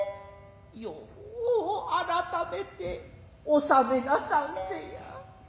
ようあらためて納めなさんせや。